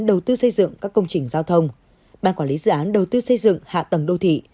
đầu tư xây dựng các công trình giao thông ban quản lý dự án đầu tư xây dựng hạ tầng đô thị